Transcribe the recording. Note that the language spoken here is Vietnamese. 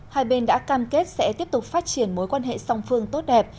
hai bên đã cam kết sẽ tiếp tục phát triển mối quan hệ song phương tốt đẹp